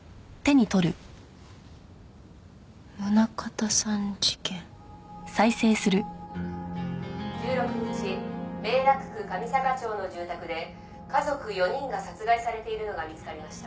「宗像さん事件」「１６日明楽区神坂町の住宅で家族４人が殺害されているのが見つかりました」